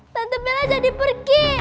tante bella jadi pergi